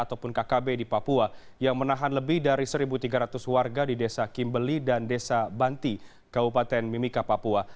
ataupun kkb di papua yang menahan lebih dari satu tiga ratus warga di desa kimbeli dan desa banti kabupaten mimika papua